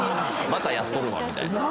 「またやっとるわ」みたいな。